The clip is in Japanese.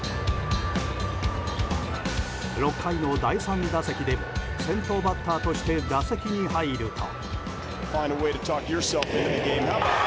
６回の第３打席で先頭バッターとして打席に入ると。